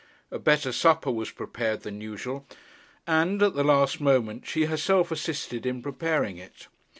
A better supper was prepared than usual; and, at the last moment, she herself assisted in preparing it.